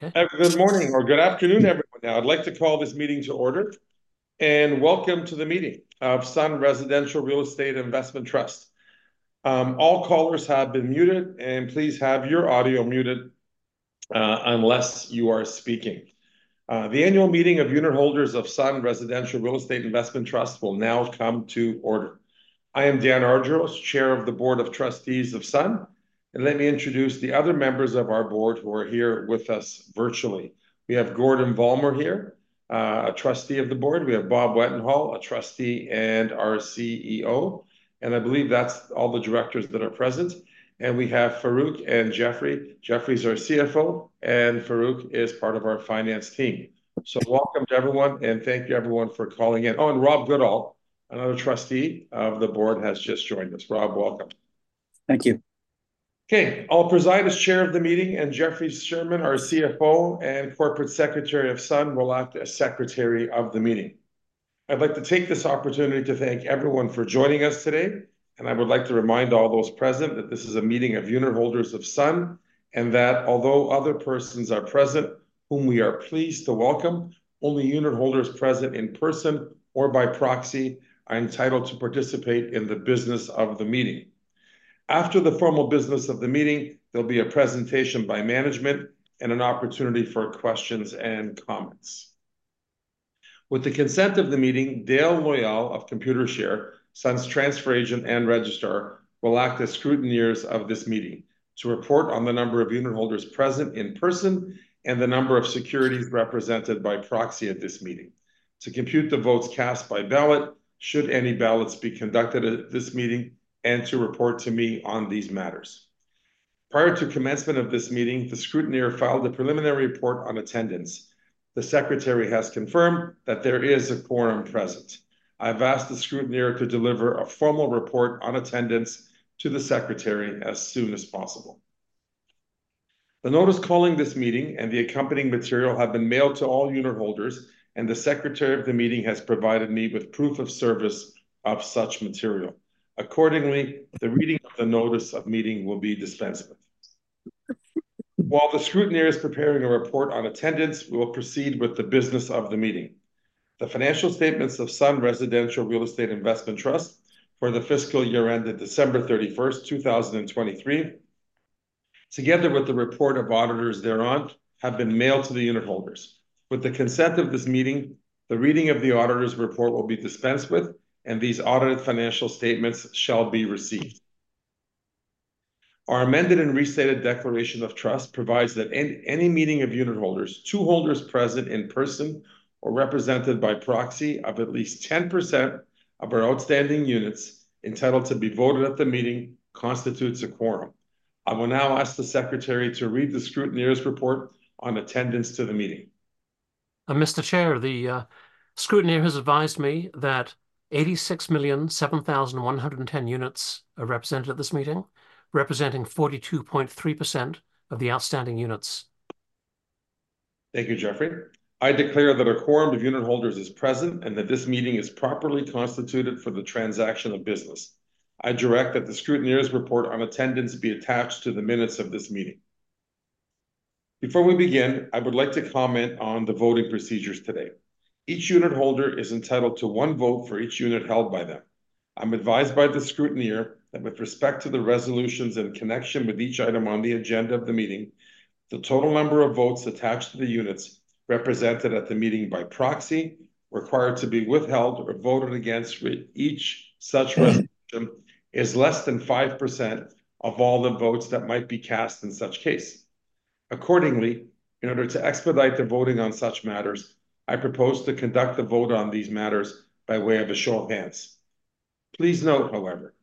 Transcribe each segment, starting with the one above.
Good morning or good afternoon, everyone. Now, I'd like to call this meeting to order. Welcome to the meeting of Sun Residential Real Estate Investment Trust. All callers have been muted, and please have your audio muted unless you are speaking. The annual meeting of unit holders of Sun Residential Real Estate Investment Trust will now come to order. I am Dan Argiros, Chair of the Board of Trustees of Sun. Let me introduce the other members of our board who are here with us virtually. We have Gordon Vollmer here, a Trustee of the Board we have Bob Wetenhall, a Trustee and our CEO. I believe that's all the directors that are present. We have Farouk and Jeffrey. Jeffrey's our CFO, and Farouk is part of our finance team. Welcome to everyone, and thank you everyone for calling in and Rob Goodall. Another trustee of the board has just joined us Rob, welcome. Thank you. Okay, I'll preside as chair of the meeting, and Jeffrey Sherman, our CFO and corporate secretary of Sun, will act as secretary of the meeting. I'd like to take this opportunity to thank everyone for joining us today. I would like to remind all those present that this is a meeting of unit holders of Sun. And that although other persons are present whom we are pleased to welcome, only unit holders present in person or by proxy are entitled to participate in the business of the meeting. After the formal business of the meeting, there'll be a presentation by management and an opportunity for questions and comments. With the consent of the meeting, Dale Lyle of Computershare, Sun's transfer agent and registrar, will act as scrutineers of this meeting. To report on the number of unit holders present in person. The number of securities represented by proxy at this meeting. To compute the votes cast by ballot, should any ballots be conducted at this meeting, and to report to me on these matters. Prior to commencement of this meeting, the scrutineer filed a preliminary report on attendance. The secretary has confirmed that there is a quorum present. I've asked the scrutineer to deliver a formal report on attendance to the secretary as soon as possible. The notice calling this meeting and the accompanying material have been mailed to all unit holders, and the secretary of the meeting has provided me with proof of service of such material. Accordingly, the reading of the notice of meeting will be dispensed with. While the scrutineer is preparing a report on attendance, we will proceed with the business of the meeting. The financial statements of Sun Residential Real Estate Investment Trust for the fiscal year ended 31 December, 2023, together with the report of auditors thereon, have been mailed to the unitholders. With the consent of this meeting, the reading of the auditors' report will be dispensed with, and these audited financial statements shall be received. Our amended and restated declaration of trust provides that any meeting of unitholders, two holders present in person or represented by proxy of at least 10% of our outstanding units entitled to be voted at the meeting constitutes a quorum. I will now ask the secretary to read the scrutineer's report on attendance to the meeting. Mr. Chair, the scrutineer has advised me that 86,007,110 units are represented at this meeting. Representing 42.3% of the outstanding units. Thank you, Jeffrey. I declare that a quorum of unit holders is present and that this meeting is properly constituted for the transaction of business. I direct that the scrutineer's report on attendance be attached to the minutes of this meeting. Before we begin, I would like to comment on the voting procedures today. Each unit holder is entitled to one vote for each unit held by them. I'm advised by the scrutineer that, with respect to the resolutions in connection with each item on the agenda of the meeting, the total number of votes attached to the units represented at the meeting by proxy required to be withheld or voted against with each such resolution is less than 5% of all the votes that might be cast in such case. Accordingly, in order to expedite the voting on such matters, I propose to conduct the vote on these matters by way of a show of hands. Please note, however,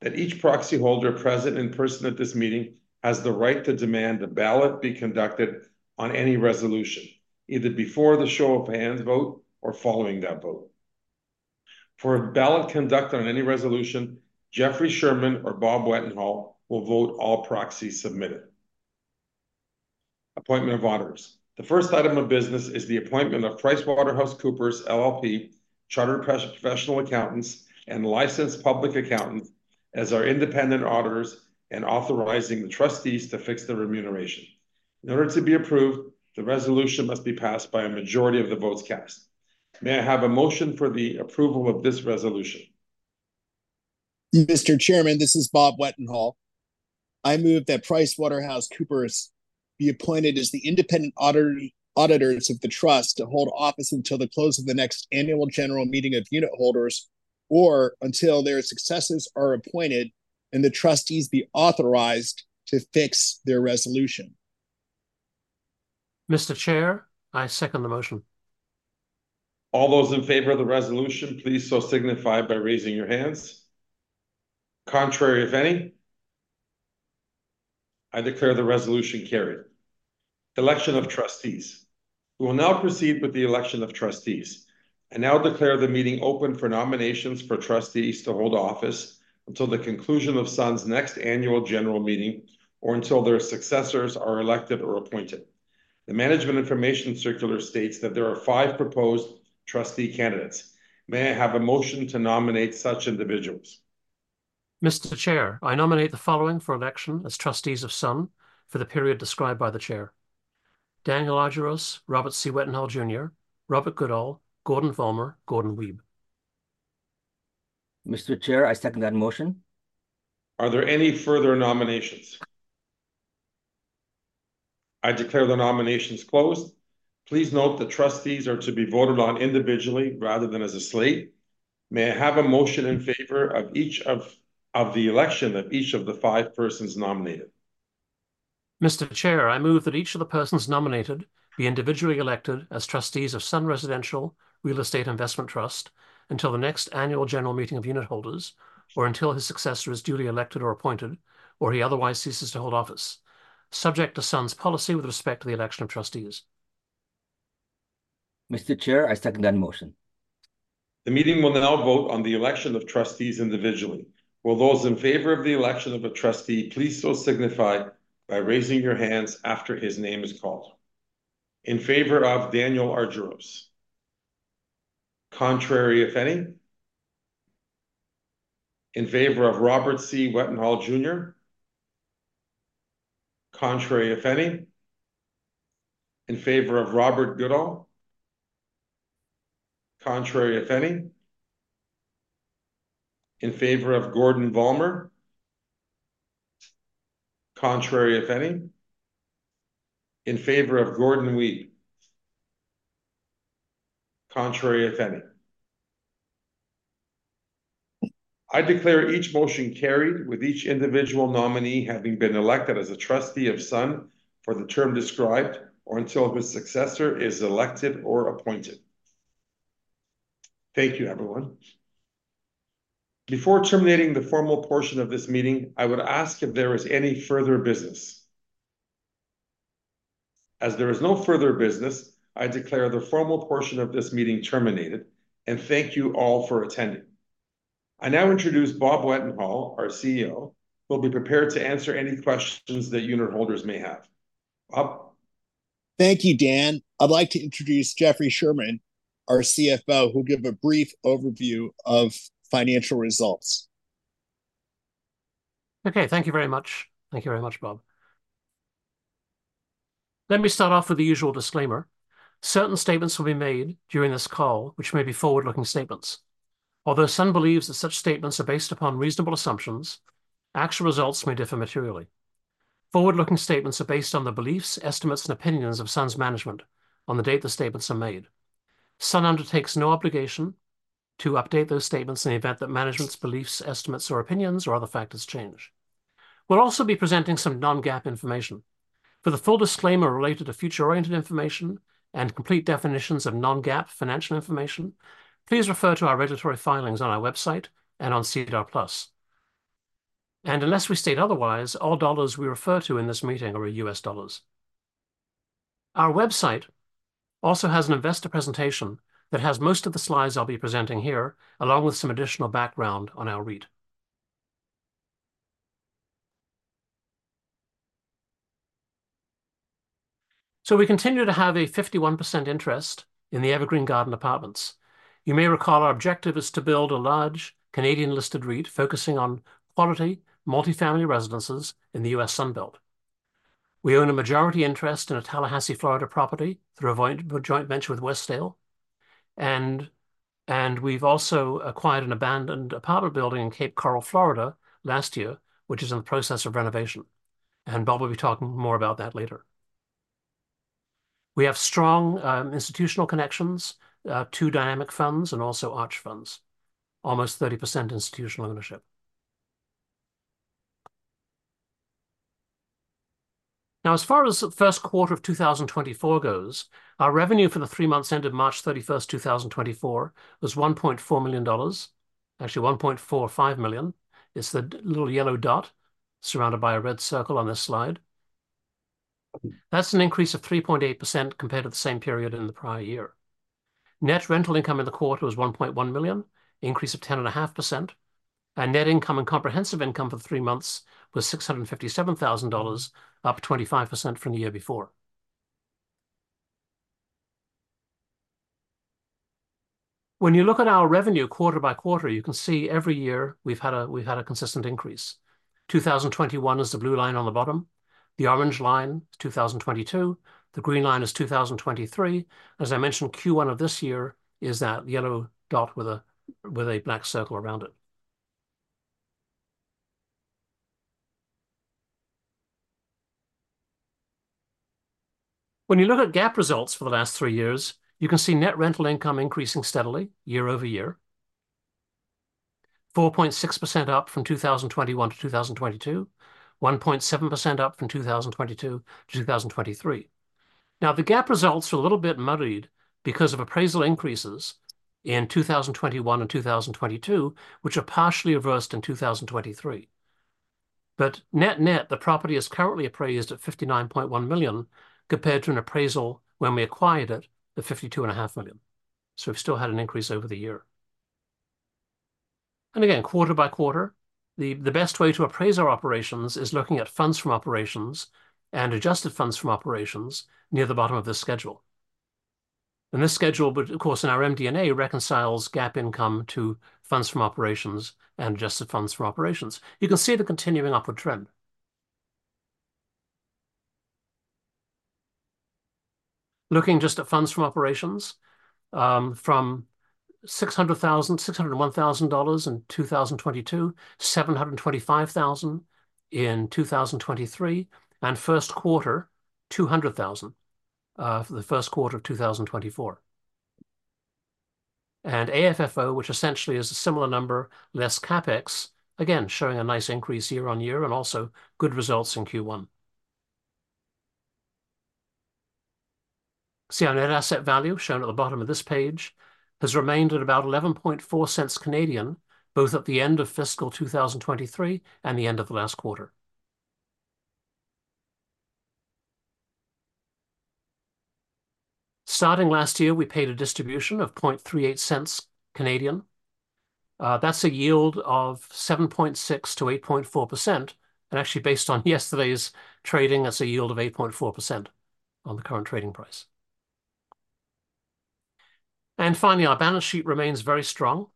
that each proxy holder present in person at this meeting has the right to demand the ballot be conducted on any resolution, either before the show of hands vote or following that vote. For a ballot conduct on any resolution, Jeffrey Sherman or Bob Wetenhall will vote all proxies submitted. Appointment of auditors. The first item of business is the appointment of PricewaterhouseCoopers LLP, Chartered Professional Accountants, and Licensed Public Accountant as our independent auditors and authorizing the trustees to fix the remuneration. In order to be approved, the resolution must be passed by a majority of the votes cast. May I have a motion for the approval of this resolution? Mr. Chairman, this is Bob Wetenhall. I move that PricewaterhouseCoopers be appointed as the independent auditors of the trust to hold office until the close of the next annual general meeting of unitholders. Or until their successors are appointed and the trustees be authorized to fix their remuneration. Mr. Chair, I second the motion. All those in favor of the resolution, please so signify by raising your hands. Contrary, if any. I declare the resolution carried. Election of trustees. We will now proceed with the election of trustees. And now declare the meeting open for nominations for trustees to hold office until the conclusion of Sun's next annual general meeting or until their successors are elected or appointed. The management information circular states that there are five proposed trustee candidates. May I have a motion to nominate such individuals? Mr. Chair, I nominate the following for election as trustees of Sun for the period described by the chair. Daniel Argiros, Robert C. Wetenhall Jr., Robert Goodall, Gordon Vollmer, Gordon Wiebe. Mr. Chair, I second that motion. Are there any further nominations? I declare the nominations closed. Please note the trustees are to be voted on individually rather than as a slate. May I have a motion in favor of each of the election of each of the five persons nominated? Mr. Chair, I move that each of the persons nominated be individually elected as trustees of Sun Residential Real Estate Investment Trust until the next annual general meeting of unitholders or until his successor is duly elected or appointed or he otherwise ceases to hold office. Subject to Sun's policy with respect to the election of trustees. Mr. Chair, I second that motion. The meeting will now vote on the election of trustees individually. Will those in favor of the election of a trustee please so signify by raising your hands after his name is called. In favor of Daniel Argiros. Contrary, if any. In favor of Robert C. Wetenhall Jr. Contrary, if any. In favor of Robert Goodall. Contrary, if any. In favor of Gordon Vollmer. Contrary, if any. In favor of Gordon Wiebe. Contrary, if any. I declare each motion carried with each individual nominee having been elected as a trustee of Sun for the term described or until his successor is elected or appointed. Thank you, everyone. Before terminating the formal portion of this meeting, I would ask if there is any further business. As there is no further business, I declare the formal portion of this meeting terminated and thank you all for attending. I now introduce Bob Wetenhall, our CEO, who will be prepared to answer any questions that unit holders may have. Bob? Thank you, Dan. I'd like to introduce Jeffrey Sherman, our CFO, who will give a brief overview of financial results. Okay, thank you very much. Thank you very much, Bob. Let me start off with the usual disclaimer. Certain statements will be made during this call, which may be forward-looking statements. Although Sun believes that such statements are based upon reasonable assumptions. Actual results may differ materially. Forward-looking statements are based on the beliefs, estimates, and opinions of Sun's management on the date the statements are made. Sun undertakes no obligation to update those statements in the event that management's beliefs, estimates, or opinions or other factors change. We'll also be presenting some non-GAAP information. For the full disclaimer related to future-oriented information and complete definitions of non-GAAP financial information. Please refer to our regulatory filings on our website and on SEDAR+ and unless we state otherwise, all dollars we refer to in this meeting are US dollars. Our website also has an investor presentation that has most of the slides I'll be presenting here along with some additional background on our REIT. We continue to have a 51% interest in the Evergreen Garden Apartments. You may recall our objective is to build a large Canadian listed REIT focusing on quality multifamily residences in the U.S. Sunbelt. We own a majority interest in a Tallahassee, Florida property through a joint venture with Westdale. We've also acquired an abandoned apartment building in Cape Coral, Florida last year, which is in the process of renovation. Bob will be talking more about that later. We have strong institutional connections to Dynamic Funds and also Arch Funds. Almost 30% institutional ownership. As far as the first quarter of 2024 goes, our revenue for the three months ended 31 March, 2024 was $1.4 million. Actually, $1.45 million. It's the little yellow dot surrounded by a red circle on this slide. That's an increase of 3.8% compared to the same period in the prior year. Net rental income in the quarter was $1.1 million, increase of 10.5%. And net income and comprehensive income for the three months was $657,000, up 25% from the year before. When you look at our revenue quarter by quarter, you can see every year we've had a consistent increase. 2021 is the blue line on the bottom. The orange line is 2022. The green line is 2023. As I mentioned, Q1 of this year is that yellow dot with a black circle around it. When you look at GAAP results for the last three years, you can see net rental income increasing steadily year-over-year. 4.6% up from 2021-2022. 1.7% up from 2022-2023. The GAAP results are a little bit muddied because of appraisal increases in 2021 and 2022, which are partially reversed in 2023. But net net, the property is currently appraised at $59.1 million compared to an appraisal when we acquired it at $52.5 million. We've still had an increase over the year. Again, quarter by quarter, the best way to appraise our operations is looking at funds from operations and adjusted funds from operations near the bottom of this schedule. And this schedule would, of course, in our MD&A reconciles GAAP income to funds from operations and adjusted funds from operations. You can see the continuing upward trend. Looking just at funds from operations. From $600,000, $601,000 in 2022, $725,000 in 2023, and Q1, $200,000 for the Q1 of 2024. AFFO, which essentially is a similar number, less CapEx, again, showing a nice increase year-on-year and also good results in Q1. Our net asset value shown at the bottom of this page has remained at about 0.114, both at the end of fiscal 2023 and the end of the last quarter. Starting last year, we paid a distribution of 0.38. That's a yield of 7.6%-8.4%. Actually, based on yesterday's trading, that's a yield of 8.4% on the current trading price. Finally, our balance sheet remains very strong.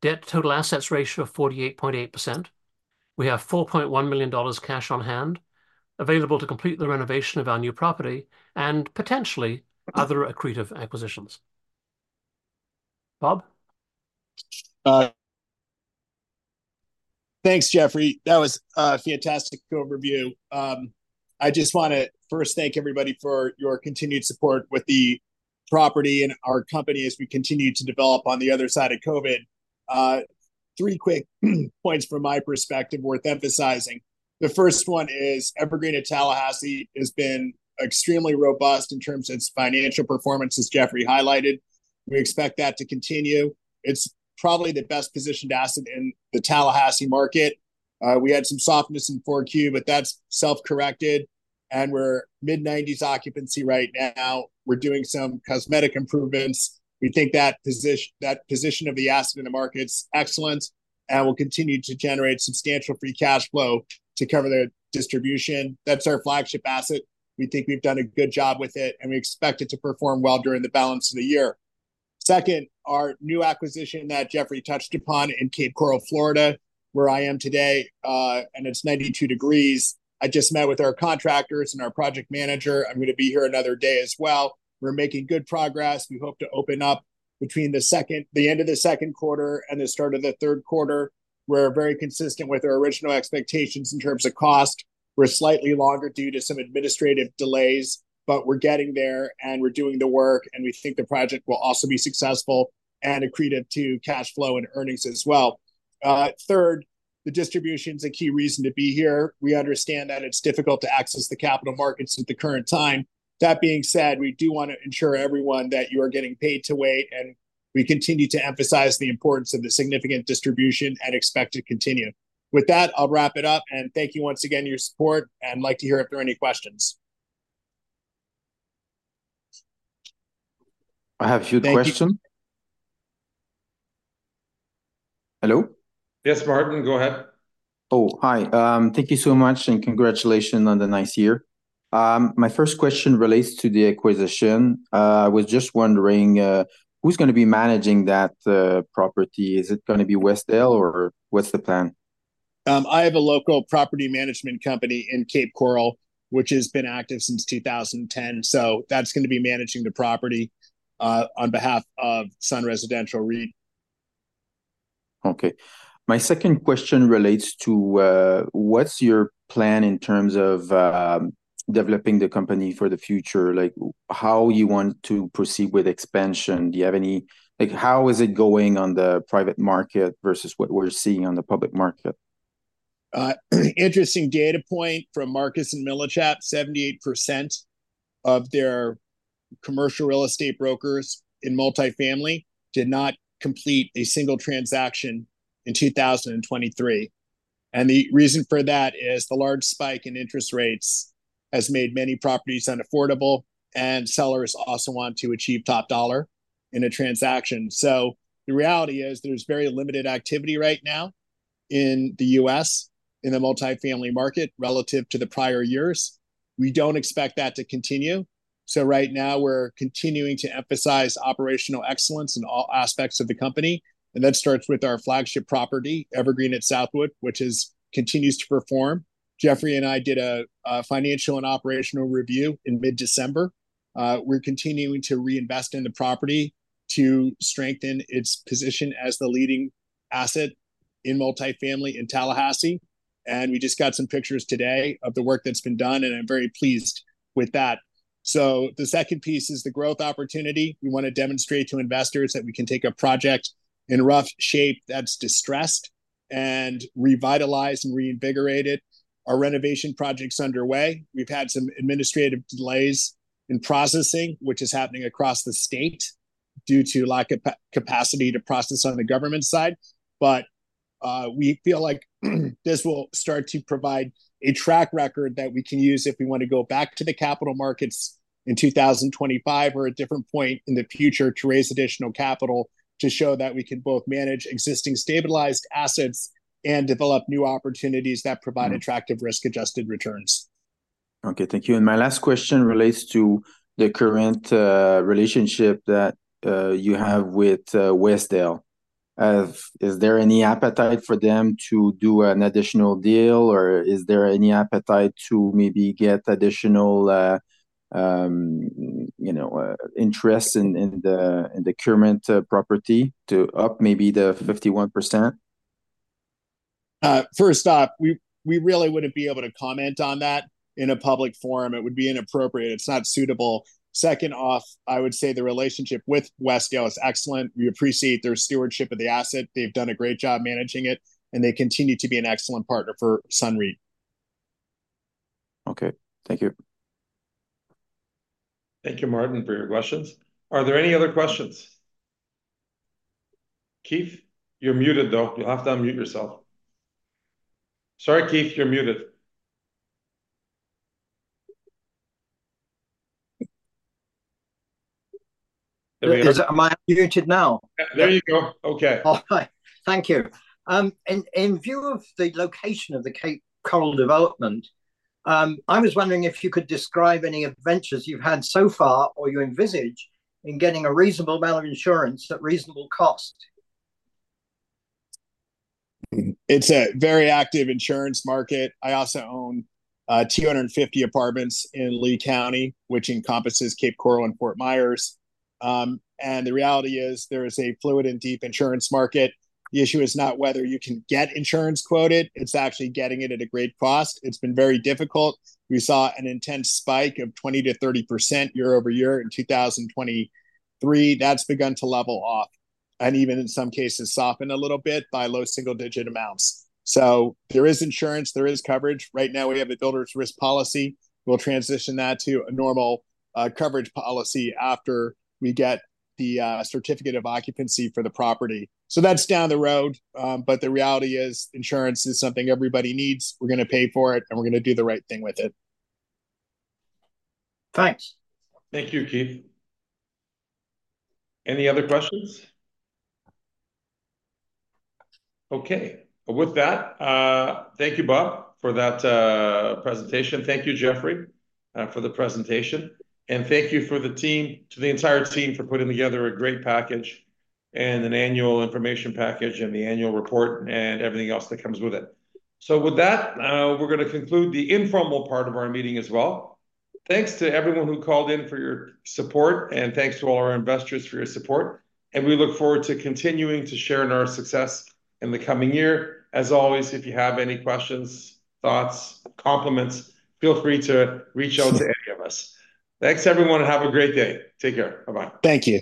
Debt total assets ratio of 48.8%. We have $4.1 million cash on hand available to complete the renovation of our new property and potentially other accretive acquisitions. Bob? Thanks, Jeffrey. That was a fantastic overview. I just want to first thank everybody for your continued support with the property and our company as we continue to develop on the other side of COVID. Three quick points from my perspective worth emphasizing. The first one is Evergreen at Tallahassee has been extremely robust in terms of its financial performance, as Jeffrey highlighted. We expect that to continue. It's probably the best positioned asset in the Tallahassee market. We had some softness in Q4 but that's self-corrected. We're mid-90s occupancy right now. We're doing some cosmetic improvements. We think that position that position of the asset in the market's excellent. We'll continue to generate substantial free cash flow to cover the distribution. That's our flagship asset. We think we've done a good job with it, and we expect it to perform well during the balance of the year. Second, our new acquisition that Jeffrey touched upon in Cape Coral, Florida, where I am today, and it's 92 degrees. I just met with our contractors and our project manager i'm going to be here another day as well. We're making good progress we hope to open up between the end of the Q2 and the start of the Q3. We're very consistent with our original expectations in terms of cost. We're slightly longer due to some administrative delays, but we're getting there and we're doing the work, and we think the project will also be successful and accretive to cash flow and earnings as well. Third, the distribution is a key reason to be here we understand that it's difficult to access the capital markets at the current time. That being said, we do want to ensure everyone that you are getting paid to wait, and we continue to emphasize the importance of the significant distribution and expect to continue. With that, I'll wrap it up and thank you once again for your support and like to hear if there are any questions. I have a few questions. Hello? Yes, Martin, go ahead. Thank you so much and congratulations on the nice year. My first question relates to the acquisition. I was just wondering? who's going to be managing that property? Is it going to be Westdale or what's the plan? I have a local property management company in Cape Coral, which has been active since 2010. That's going to be managing the property on behalf of Sun Residential REIT. My second question relates to what's your plan in terms of developing the company for the future? Like how you want to proceed with expansion? Do you have any like how is it going on the private market versus what we're seeing on the public market? Interesting data point from Marcus & Millichap, 78% of their commercial real estate brokers in multifamily did not complete a single transaction in 2023. The reason for that is the large spike in interest rates has made many properties unaffordable, and sellers also want to achieve top dollar in a transaction. The reality is there's very limited activity right now in the US in the multifamily market relative to the prior years. We don't expect that to continue. Right now we're continuing to emphasize operational excellence in all aspects of the company. That starts with our flagship property, Evergreen at Southwood, which continues to perform. Jeffrey and I did a financial and operational review in mid-December. We're continuing to reinvest in the property to strengthen its position as the leading asset in multifamily in Tallahassee. We just got some pictures today of the work that's been done, and I'm very pleased with that. The second piece is the growth opportunity. We want to demonstrate to investors that we can take a project in rough shape that's distressed and revitalized and reinvigorated. Our renovation project's underway. We've had some administrative delays in processing, which is happening across the state due to lack of capacity to process on the government side. We feel like this will start to provide a track record that we can use if we want to go back to the capital markets in 2025 or at a different point in the future to raise additional capital to show that we can both manage existing stabilized assets and develop new opportunities that provide attractive risk-adjusted returns. thank you. My last question relates to the current relationship that you have with Westdale. Is there any appetite for them to do an additional deal? or is there any appetite to maybe get additional interest in the current property to up maybe the 51%? First off, we really wouldn't be able to comment on that in a public forum. It would be inappropriate it's not suitable. Second off, I would say the relationship with Westdale is excellent we appreciate their stewardship of the asset they've done a great job managing it, and they continue to be an excellent partner for Sun REIT. Okay. Thank you. Thank you, Martin, for your questions. Are there any other questions? Keith, you're muted, though. You'll have to unmute yourself. Sorry, Keith, you're muted. Am I muted now? There you go. Okay. All right. Thank you. In view of the location of the Cape Coral development, I was wondering if you could describe any adventures you've had so far or you envisage in getting a reasonable amount of insurance at reasonable cost? It's a very active insurance market i also own 250 apartments in Lee County, which encompasses Cape Coral and Fort Myers. The reality is there is a fluid and deep insurance market. The issue is not whether you can get insurance quoted. It's actually getting it at a great cost. It's been very difficult. We saw an intense spike of 20%-30% year-over-year in 2023 that's begun to level off and even in some cases soften a little bit by low single-digit amounts. There is insurance there is coverage right now we have a builder's risk policy. We'll transition that to a normal coverage policy after we get the certificate of occupancy for the property. That's down the road. The reality is insurance is something everybody needs we're going to pay for it, and we're going to do the right thing with it. Thanks. Thank you, Keith. Any other questions? Okay. With that, thank you, Bob, for that presentation thank you, Jeffrey, for the presentation. And thank you to the entire team for putting together a great package and an annual information package and the annual report and everything else that comes with it. With that, we're going to conclude the informal part of our meeting as well. Thanks to everyone who called in for your support, and thanks to all our investors for your support. And we look forward to continuing to share in our success in the coming year. As always, if you have any questions, thoughts, compliments, feel free to reach out to any of us. Thanks, everyone, and have a great day. Take care. Bye-bye. Thank you.